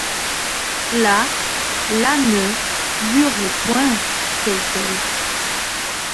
La, la-ne iurez point, feit-elle.